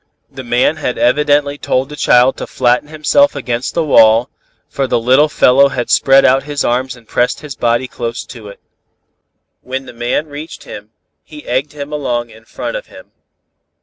"The man had evidently told the child to flatten himself against the wall, for the little fellow had spread out his arms and pressed his body close to it. "When the man reached him, he edged him along in front of him.